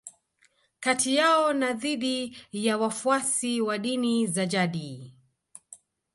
Kati yao na dhidi ya wafuasi wa dini za jadi